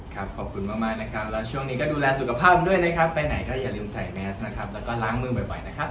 ขอบคุณมากนะครับแล้วช่วงนี้ก็ดูแลสุขภาพด้วยนะครับไปไหนก็อย่าลืมใส่แมสนะครับแล้วก็ล้างมือบ่อยนะครับ